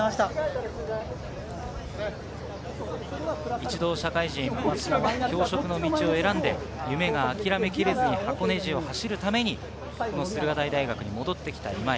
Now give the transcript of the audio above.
一度社会人、教職の道を選んで夢が諦めきれずに箱根路を走るために駿河台大学に戻って来た今井。